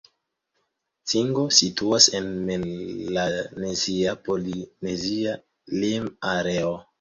Tongo situas en melanezia-polinezia lim-areo.